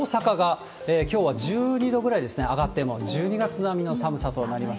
きょうは１２度ぐらい上がっても、１２月並みの寒さとなります。